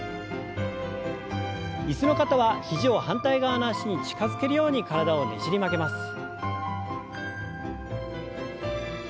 椅子の方は肘を反対側の脚に近づけるように体をねじり曲げます。